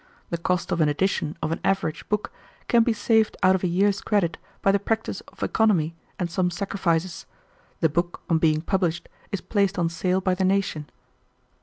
The cost of an edition of an average book can be saved out of a year's credit by the practice of economy and some sacrifices. The book, on being published, is placed on sale by the nation."